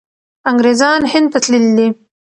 انګریزان هند ته تللي دي.